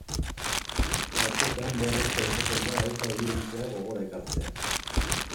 Batzuetan beharrezkoa izaten da gauza ebidenteak gogora ekartzea.